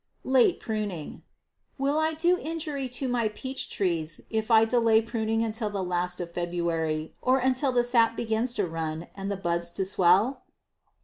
Late Pruning. Will I do injury to my peach trees if I delay pruning until the last of February, or until the sap begins to run and the buds to swell?